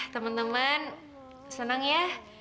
temen temen senang ya